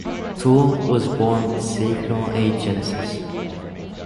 Toole was born with sacral agenesis.